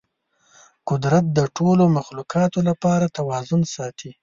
قدرت د ټولو مخلوقاتو لپاره توازن ساتي.